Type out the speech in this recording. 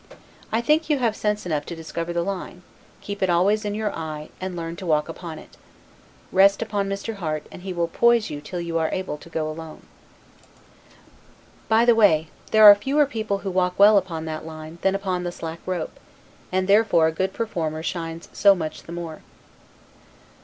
I think you have sense enough to discover the line; keep it always in your eye, and learn to walk upon it; rest upon Mr. Harte, and he will poise you till you are able to go alone. By the way, there are fewer people who walk well upon that line, than upon the slack rope; and therefore a good performer shines so much the more.